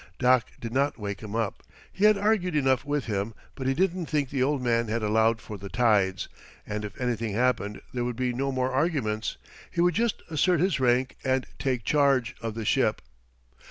Doc did not wake him up. He had argued enough with him, but he didn't think the old man had allowed for the tides, and if anything happened there would be no more arguments he would just assert his rank and take charge of the ship.